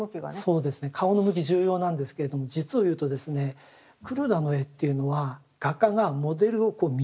そうですね顔の向き重要なんですけれども実を言うとですね黒田の絵というのは画家がモデルを見下ろしてるんですね。